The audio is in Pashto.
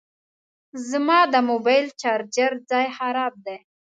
زما د موبایل د چارجر ځای خراب دی